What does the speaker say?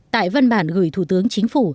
tại văn bản gửi thủ tướng chính phủ